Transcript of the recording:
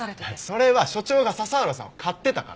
それは所長が佐々浦さんを買ってたから。